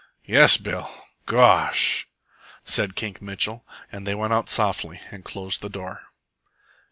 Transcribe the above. "Yes, Bill, gosh!" said Kink Mitchell; and they went out softly and closed the door.